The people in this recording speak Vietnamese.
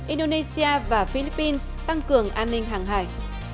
indonesia và philippines tăng cường an ninh hàng hải